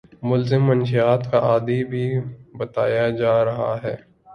ملزم مشیات کا عادی بھی بتایا جا رہا ہے